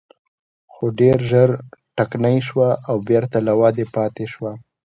خو ډېر ژر ټکنۍ شوه او بېرته له ودې پاتې شوه.